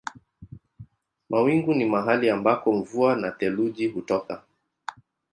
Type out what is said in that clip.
Mawingu ni mahali ambako mvua na theluji hutoka.